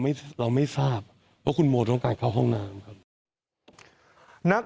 เราไม่ทราบว่าคุณโมต้องการเข้าห้องน้ำครับนัก